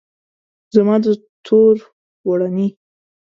زما د تور پوړنې